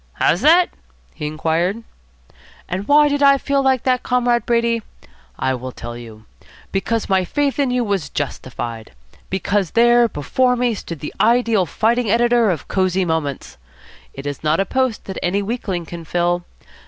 "How's that?" he inquired. "And why did I feel like that, Comrade Brady? I will tell you. Because my faith in you was justified. Because there before me stood the ideal fighting editor of Cosy Moments. It is not a post that any weakling can fill.